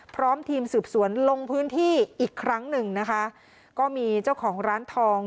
พร้อมทีมสืบสวนลงพื้นที่อีกครั้งหนึ่งนะคะก็มีเจ้าของร้านทอง